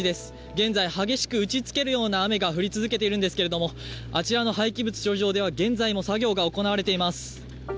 現在、激しく打ちつけるような雨が降り続いているんですがあちらの廃棄物処理場では現在も作業が行われています。